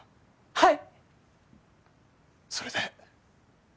はい！